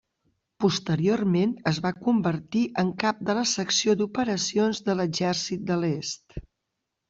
Posteriorment es va convertir en cap de la secció d'operacions de l'Exèrcit de l'Est.